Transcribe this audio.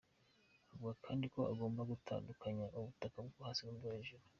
Avuga kandi ko ugomba gutandukanya ubutaka bwo hasi n’ubwo hejuru.